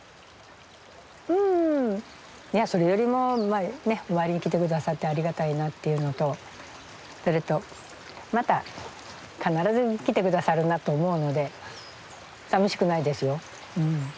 うんいやそれよりもお参りに来てくださってありがたいなっていうのとそれとまた必ず来てくださるなと思うのでさみしくないですようん。